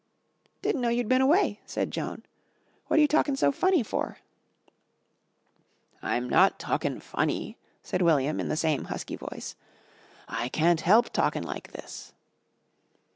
"Didn't know you'd been away," said Joan. "What are you talking so funny for?" "I'm not talkin' funny," said William in the same husky voice, "I can't help talkin' like this."